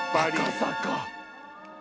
赤坂！